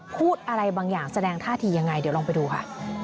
พูดอะไรบางอย่างแสดงท่าทียังไงเดี๋ยวลองไปดูค่ะ